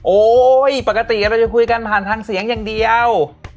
ปกติเราจะคุยกันผ่านทางเสียงอย่างเดียว